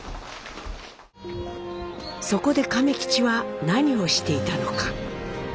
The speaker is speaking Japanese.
そこで亀吉は何をしていたのか？